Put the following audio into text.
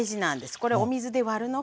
これお水で割るのが大事。